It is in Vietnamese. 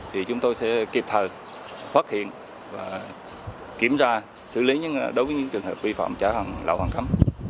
thì chúng tôi sẽ kịp thời phát hiện và kiểm tra xử lý đối với những trường hợp vi phạm trả lão hoàng thấm